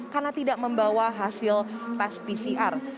karena tidak membawa hasil tes pcr